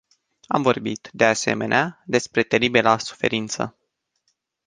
Am vorbit, de asemenea, despre teribila suferință.